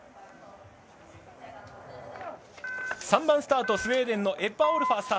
３番スタート、スウェーデンのエッバ・オールファー。